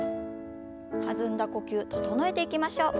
弾んだ呼吸整えていきましょう。